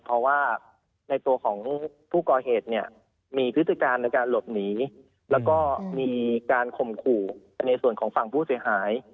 เพราะว่าในตัวของผู้ก่อเหตุเนี่ยมีพฤติการในการหลบหนีแล้วก็มีการข่มขู่ในส่วนของฝั่งผู้เสียหาย